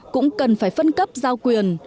cũng cần phải phân cấp giao quyền